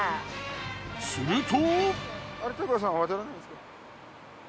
すると。